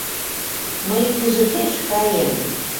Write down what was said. Мый кызытеш каем.